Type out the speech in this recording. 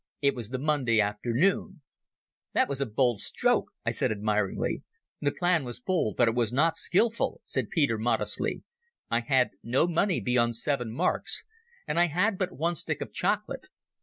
It was the Monday afternoon ..." "That was a bold stroke," I said admiringly. "The plan was bold, but it was not skilful," said Peter modestly. "I had no money beyond seven marks, and I had but one stick of chocolate.